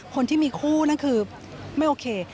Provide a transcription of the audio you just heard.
คนที่มีคู่นั่นคือไม่โอเค